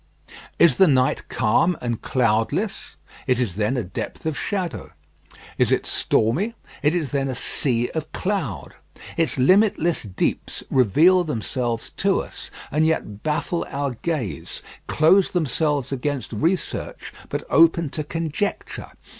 Is the night calm and cloudless? It is then a depth of shadow. Is it stormy? It is then a sea of cloud. Its limitless deeps reveal themselves to us, and yet baffle our gaze: close themselves against research, but open to conjecture.